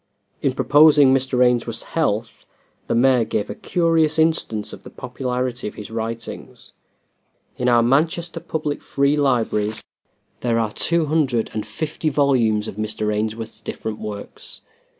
In proposing Mr. Ainsworth's health, the mayor gave a curious instance of the popularity of his writings. "In our Manchester public free libraries there are two hundred and fifty volumes of Mr. Ainsworth's different works.